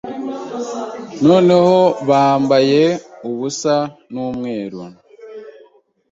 Noneho bambaye ubusa numweru